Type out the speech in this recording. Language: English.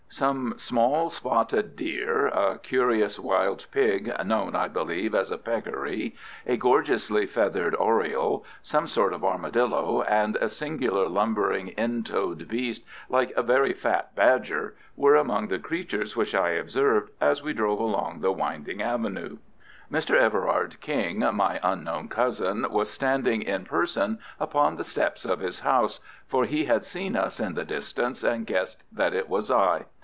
Some small spotted deer, a curious wild pig known, I believe, as a peccary, a gorgeously feathered oriole, some sort of armadillo, and a singular lumbering intoed beast like a very fat badger, were among the creatures which I observed as we drove along the winding avenue. Mr. Everard King, my unknown cousin, was standing in person upon the steps of his house, for he had seen us in the distance, and guessed that it was I.